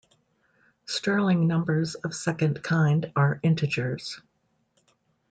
Stirling numbers of second kind are integers.